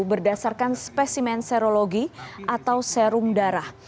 berdasarkan spesimen serologi atau serum darah